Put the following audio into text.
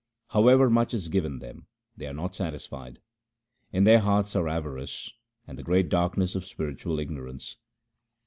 However much is given them, they are not satisfied ; in their hearts are avarice and the great darkness of spiritual ignorance.